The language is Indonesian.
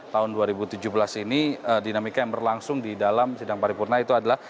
tahun dua ribu tujuh belas ini dinamika yang berlangsung di dalam sidang paripurna itu adalah